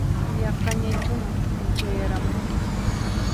Yaqañachunan p'unchayaramunqa